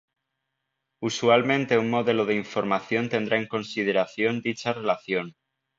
Usualmente un modelo de información tendrá en consideración dicha relación.